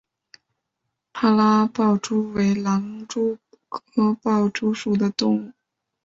帕拉豹蛛为狼蛛科豹蛛属的动物。